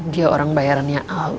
dia orang bayarannya al